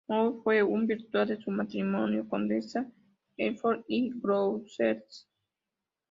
Maud fue, en virtud de su matrimonio, condesa Hertford y Gloucester.